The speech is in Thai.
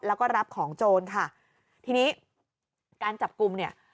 แล้วก็รับของโจรค่ะทีนี้การจับกลุ่มเนี่ย